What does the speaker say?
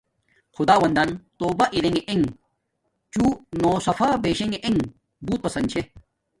خداوندن توبہ اریݣ انݣ چوں نو صفا بیشݣ انگ بوت پسند چھے